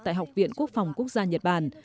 tại học viện quốc phòng quốc gia nhật bản